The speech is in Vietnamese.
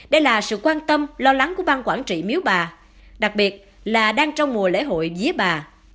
đây là sự quan tâm lo lắng của bang quản trị miếu bà đặc biệt là đang trong mùa lễ hội día bà